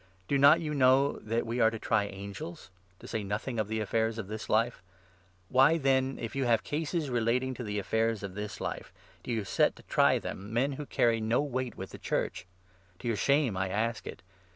Do not you know that we are 3 to try angels — to say nothing of the affairs of this life ? Why, 4 then, if you have cases relating to the affairs of this life, do you set to try them men who carry no weight with the Church ? To your shame I ask it.